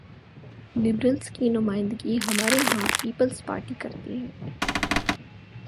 Liberals کی نمائندگی ہمارے ہاں پیپلز پارٹی کرتی ہے۔